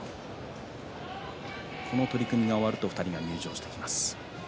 この取組が終わると２人が入場してきます。